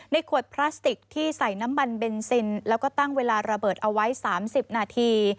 ขวดพลาสติกที่ใส่น้ำมันเบนซินแล้วก็ตั้งเวลาระเบิดเอาไว้๓๐นาที